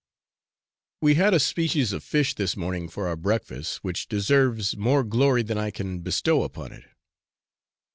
We had a species of fish this morning for our breakfast, which deserves more glory than I can bestow upon it.